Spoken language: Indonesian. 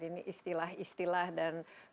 ini istilah istilah dan